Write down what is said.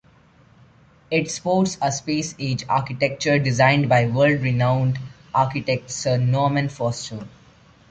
It sports a space age architecture designed by world-renowned architect Sir Norman Foster.